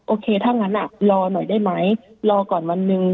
โอเคถ้างั้นรอหน่อยได้ไหมรอก่อนวันหนึ่ง